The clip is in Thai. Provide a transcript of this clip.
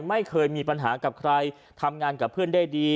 ไม่เคยมีปัญหากับใครทำงานกับเพื่อนได้ดี